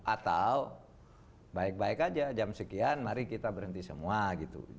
atau baik baik aja jam sekian mari kita berhenti semua gitu